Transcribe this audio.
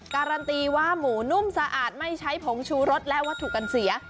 การันตีว่าหมูนุ่มสะอาดไม่ใช้ผงชูรสและวัตถุกันเสีย